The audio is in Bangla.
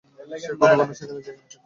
সে ঘন ঘন সেখানে যায় কেন?